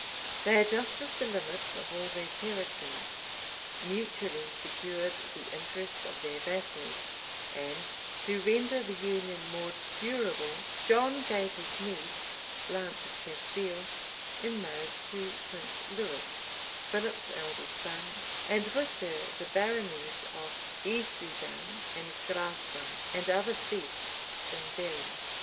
They adjusted the limits of all their territories; mutually secured the interests of their vassals, and, to render the union more durable, John gave his niece, Blanche of Castile, in marriage to Prince Lewis, Philip's eldest son, and with her the baronies of Issoudun and Graçai, and other fiefs in Berri.